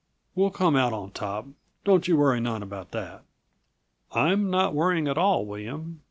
We'll come out on top don't yuh worry none about that." "I'm not worrying at all, William.